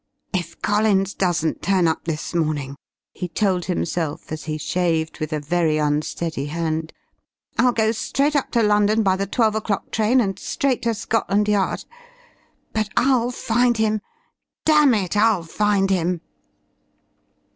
"If Collins doesn't turn up this morning," he told himself as he shaved with a very unsteady hand, "I'll go straight up to London by the twelve o'clock train and straight to Scotland Yard. But I'll find him damn it, I'll find him."